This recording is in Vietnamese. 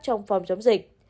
trong phòng chống dịch